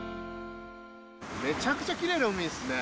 めちゃくちゃきれいな海ですね。